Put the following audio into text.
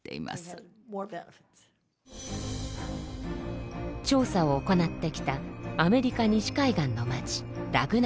調査を行ってきたアメリカ西海岸の町ラグナウッズです。